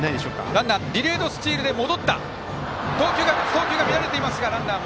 ランナーディレードスチールで戻った。